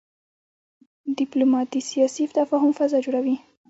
ډيپلومات د سیاسي تفاهم فضا جوړوي.